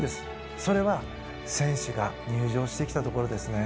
それは選手が入場してきたところですね。